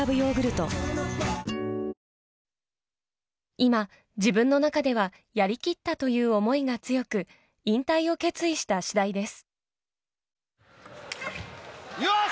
今、自分の中ではやりきったという思いが強く、引退を決意したしだいよし！